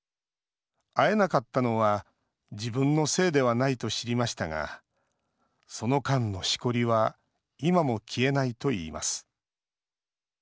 会えなかったのは自分のせいではないと知りましたがその間のしこりは今も消えないといいます